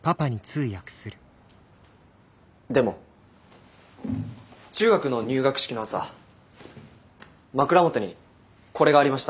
でも中学の入学式の朝枕元にこれがありました。